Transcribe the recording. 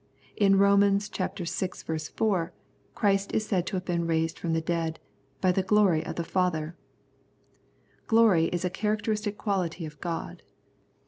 In Rom. vi. 4 Christ is said to have been raised from the dead " by the glory of the Father." Glory is a characteristic quality of God.